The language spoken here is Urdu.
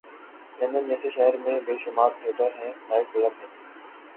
لندن جیسے شہرمیں بیشمار تھیٹر ہیں‘نائٹ کلب ہیں۔